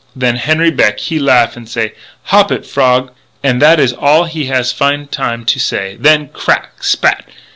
"Then Henri Beck he laugh and say, 'Hop it, frog!' And that is all he has find time to say, when crack! spat!